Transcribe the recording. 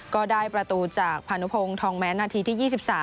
ก็ได้ประตูจากพานุพงศ์ทองแม้นาทีที่๒๓